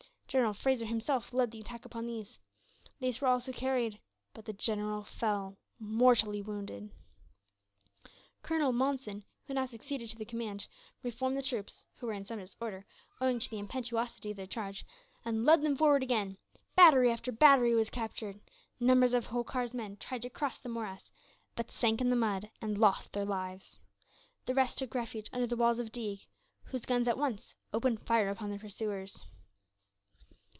General Fraser himself led the attack upon these. They were also carried; but the general fell, mortally wounded. Colonel Monson, who now succeeded to the command, reformed the troops who were in some disorder, owing to the impetuosity of their charge and led them forward again. Battery after battery was captured. Numbers of Holkar's men tried to cross the morass, but sank in the mud and lost their lives. The rest took refuge under the walls of Deeg, whose guns at once opened fire upon their pursuers.